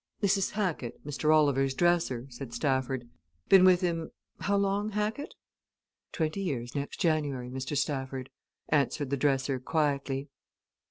"This is Hackett, Mr. Oliver's dresser," said Stafford. "Been with him how long, Hackett?" "Twenty years next January, Mr. Stafford," answered the dresser quietly.